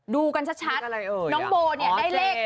ดูกันชัดน้องโบได้เลข๗๑๑